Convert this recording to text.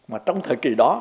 mà trong thời kỳ đó